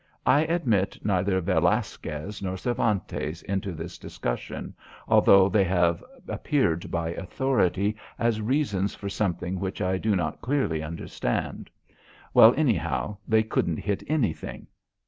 I admit neither Velasquez nor Cervantes into this discussion, although they have appeared by authority as reasons for something which I do not clearly understand. Well, anyhow they couldn't hit anything.